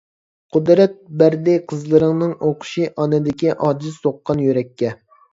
قۇدرەت بەردى قىزلىرىڭنىڭ ئوقۇشى، ئانىدىكى ئاجىز سوققان يۈرەككە.